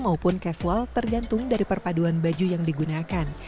maupun casual tergantung dari perpaduan baju yang digunakan